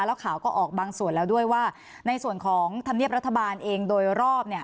แล้วข่าวก็ออกบางส่วนแล้วด้วยว่าในส่วนของธรรมเนียบรัฐบาลเองโดยรอบเนี่ย